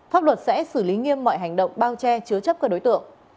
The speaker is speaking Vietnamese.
pháp luật sẽ xử lý nghiêm mọi hành động bao che chứa chấp các đối tượng